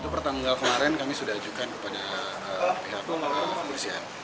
pertanggal kemarin kami sudah ajukan kepada pihak kepolisian